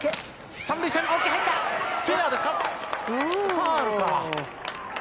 ファウルか。